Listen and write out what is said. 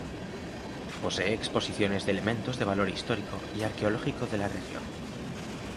Posee exposiciones de elementos de valor histórico y arqueológico de la región.